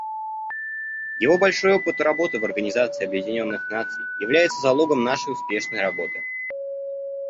Его большой опыт работы в Организации Объединенных Наций является залогом нашей успешной работы.